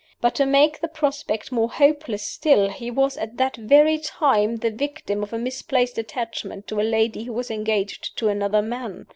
But to make the prospect more hopeless still, he was at that very time the victim of a misplaced attachment to a lady who was engaged to another man.